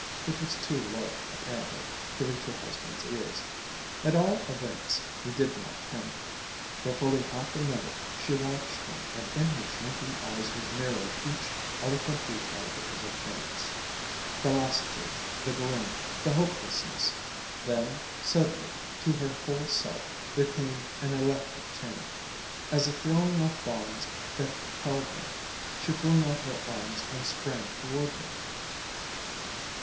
It was too low, apparently, to reach her husband's ears. At all events, he did not turn. For fully half a minute she watched him, and in her shrinking eyes was mirrored each eloquent detail of his appearance, the lassitude, the gloom, the hopelessness. Then, suddenly, to her whole self there came an electric change. As if throwing off bonds that held her she flung out her arms and sprang toward him.